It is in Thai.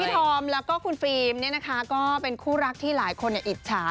ธอมแล้วก็คุณฟิล์มเนี่ยนะคะก็เป็นคู่รักที่หลายคนอิจฉา